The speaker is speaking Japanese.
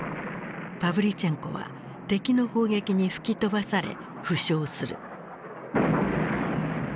パヴリチェンコは敵の砲撃に吹き飛ばされ負傷する。